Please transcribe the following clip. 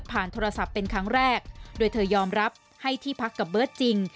ของเบิร์ดผ่านโทรศัพท์เป็นครั้งแรกโดยเธอยอมรับให้ที่พักกับเบิร์ดจริง